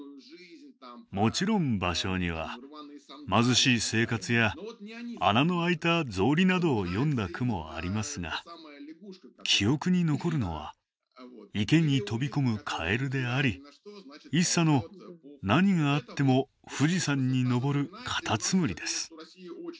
もちろん芭蕉には貧しい生活や穴の開いた草履などを詠んだ句もありますが記憶に残るのは池に飛び込むカエルであり一茶の何があっても富士山に登るカタツムリです。